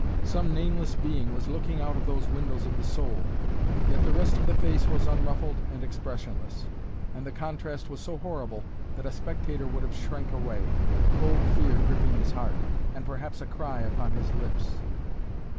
Some nameless being was looking out of those windows of the soul. Yet the rest of the face was unruffled and expressionless, and the contrast was so horrible that a spectator would have shrank away, cold fear gripping his heart, and perhaps a cry upon his lips.